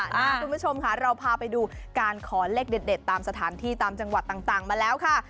คุณผู้ชมค่ะเราพาไปดูการขอเลขเด็ดตามสถานที่ตามจังหวัดต่างมาแล้วค่ะ